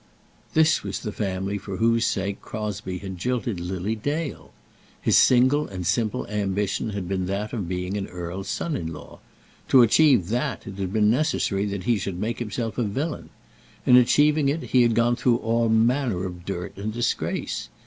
This was the family for whose sake Crosbie had jilted Lily Dale! His single and simple ambition had been that of being an earl's son in law. To achieve that it had been necessary that he should make himself a villain. In achieving it he had gone through all manner of dirt and disgrace.